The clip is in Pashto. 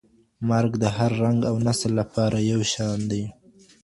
مرګ د هر رنګ او نسل لپاره یو شان دی.